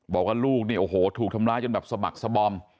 บอกว่าลูกเนี่ยโอ้โหถูกทำร้ายจนแบบสมัครสบอม